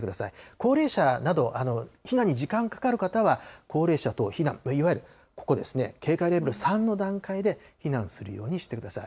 高齢者など、避難に時間がかかる方は、高齢者等避難、いわゆるここですね、警戒レベル３の段階で、避難するようにしてください。